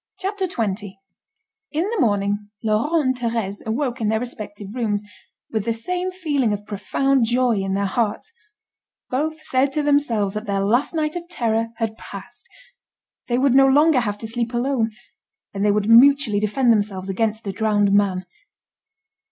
CHAPTER XX In the morning, Laurent and Thérèse, awoke in their respective rooms, with the same feeling of profound joy in their hearts: both said to themselves that their last night of terror had passed. They would no longer have to sleep alone, and they would mutually defend themselves against the drowned man.